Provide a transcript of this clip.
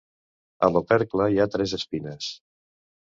A l'opercle hi ha tres espines.